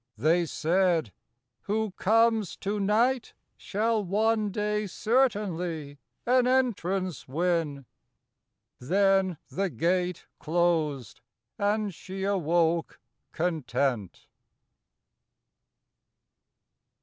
They said, "Who comes to night Shall one day certainly an entrance win ;" Then the gate closed and she awoke content.